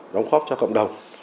đóng góp cho cộng đồng